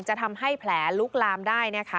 จะทำให้แผลลุกรามได้